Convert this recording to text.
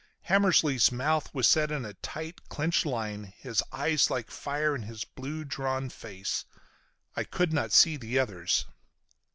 Hammersly's mouth was set in a tight clenched line, his eyes like fire in his blue, drawn face. I could not see the others.